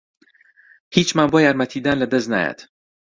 هیچمان بۆ یارمەتیدان لەدەست نایەت.